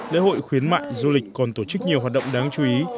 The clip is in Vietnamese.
lễ hội khuyến mại du lịch còn tổ chức nhiều hoạt động đáng chú ý